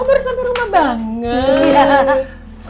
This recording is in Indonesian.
oh baru sampai rumah banget